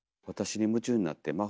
「私に夢中になって！